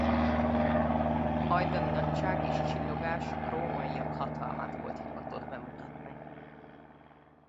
A hajdani nagyság és csillogás a rómaiak hatalmát volt hivatott bemutatni.